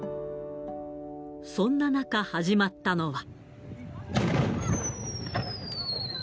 そんな中始まったのは。